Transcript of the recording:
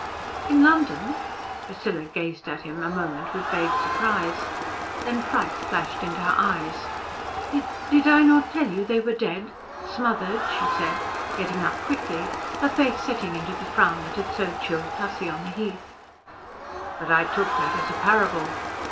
"In London?" Priscilla gazed at him a moment with a vague surprise. Then fright flashed into her eyes. "Did I not tell you they were dead? Smothered?" she said, getting up quickly, her face setting into the frown that had so chilled Tussie on the heath. "But I took that as a parable."